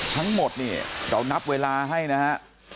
ทั้งหมดเนี่ยเรานับเวลาให้นะฮะ